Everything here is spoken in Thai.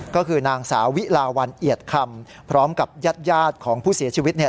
ก็คือนางสาวิลาวันเอียดคำพร้อมกับญาติของผู้เสียชีวิตเนี่ย